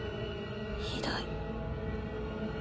ひどい。